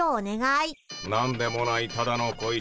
「何でもないただの小石」